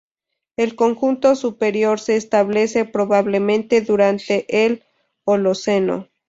El conjunto superior se establece probablemente durante el Holoceno.